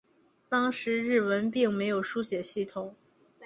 当时日文并没有书写系统。